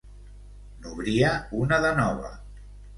N'obria una de nova.